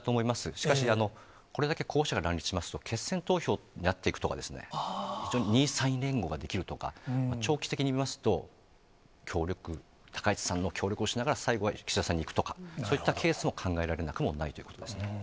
しかし、これだけ候補者が乱立しますと、決選投票になっていくとか、非常に、２位３位連合ができるとか、長期的に見ますと、協力、高市さんの協力をしながら、最後は岸田さんに行くとか、そういったケースも考えられなくもないということですね。